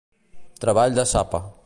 Treball de sapa.